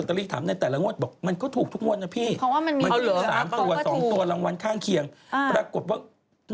ทำไมวันนี้มจดามพูดเหมือนอาจารย์ลักจัง